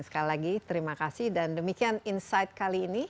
sekali lagi terima kasih dan demikian insight kali ini